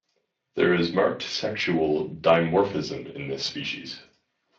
There is marked sexual dimorphism in this species.